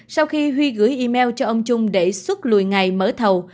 sau khi huy gửi email cho ông trung đề xuất lùi ngày mở thầu